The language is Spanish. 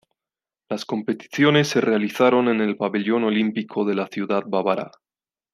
Las competiciones se realizaron en el Pabellón Olímpico de la ciudad bávara.